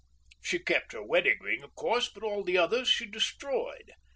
She kept her wedding ring, of course, but all the others she destroyed.